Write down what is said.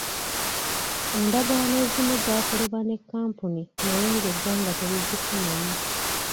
Endagaano ezimu zaakolebwa ne kkampuni naye ng’eggwanga terizifunamu.